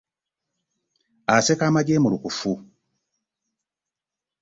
Aseka amajeemulukufu.